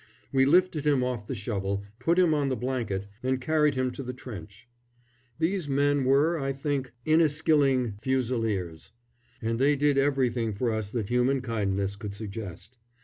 We lifted him off the shovel, put him on the blanket, and carried him to the trench. These men were, I think, Inniskilling Fusiliers, and they did everything for us that human kindness could suggest.